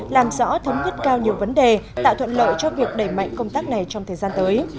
làm rõ thống nhất cao nhiều vấn đề tạo thuận lợi cho việc đẩy mạnh công tác này trong thời gian tới